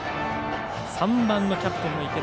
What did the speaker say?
３番のキャプテンの池田